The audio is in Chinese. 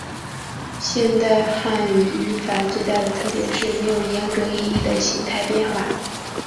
现代汉语语法最大的特点是没有严格意义的形态变化。